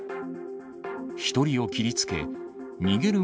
１人を切りつけ、逃げる